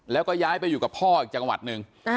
แล้วก็ย้ายไปอยู่กับพ่ออีกจังหวัดหนึ่ง